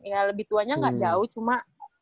ya lebih tuanya nggak jauh cuma